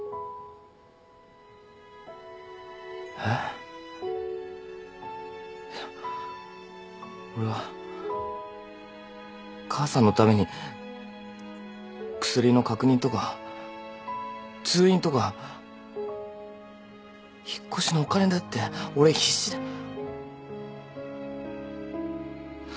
いや俺は母さんのために薬の確認とか通院とか引っ越しのお金だって俺必死で。